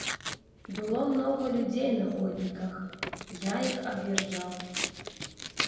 Было многа людзей на ходніках, я іх аб'язджаў.